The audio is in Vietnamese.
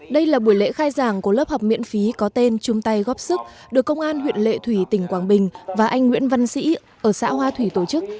đây là buổi lễ khai giảng của lớp học miễn phí có tên chung tay góp sức được công an huyện lệ thủy tỉnh quảng bình và anh nguyễn văn sĩ ở xã hoa thủy tổ chức